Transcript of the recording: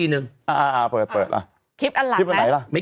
ชื่ออะไรเข้าล่างเขาทำไม